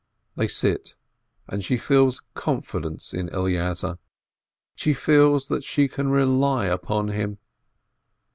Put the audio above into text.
They sit, and she feels confidence in Eleazar, she feels that she can rely upon him.